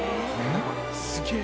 すげえ。